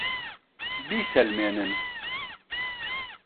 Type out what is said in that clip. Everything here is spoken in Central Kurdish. بیسەلمێنن!